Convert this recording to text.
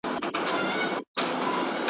ما د ورور په چاړه ورور دئ حلال كړى .